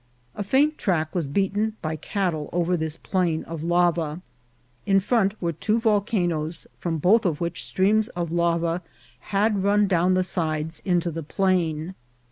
A faint track was beaten by cattle over this plain of lava. In front were two volcanoes, from both of which streams of lava had run down the sides into the plain.